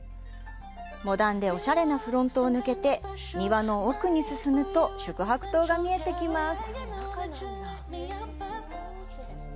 モダンでおしゃれなフロントを抜けて庭の奥に進むと宿泊棟が見えてきます。